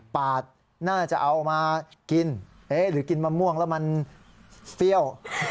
ปาดน่าจะเอามากินหรือกินมะม่วงแล้วมันเฟี้ยว